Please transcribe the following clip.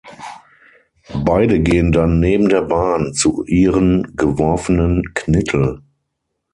Beide gehen dann neben der Bahn zu ihren geworfenen Knittel.